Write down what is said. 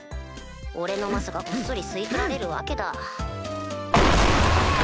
俺の魔素がごっそり吸い取られるわけだ。